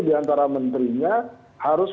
di antara menterinya harus